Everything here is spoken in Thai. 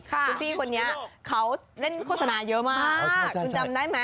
คุณพี่คนนี้เขาเล่นโฆษณาเยอะมากคุณจำได้ไหม